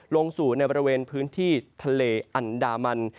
ลงสู่ในบริเวณพื้นที่ทะเลอันดามัน